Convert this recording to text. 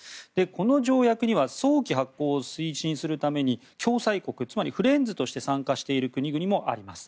この条約には早期発効を推進するために共催局、つまりフレンズとして参加している国々もあります。